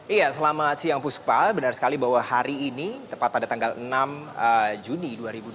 iya selamat siang puspa benar sekali bahwa hari ini tepat pada tanggal enam juni dua ribu dua puluh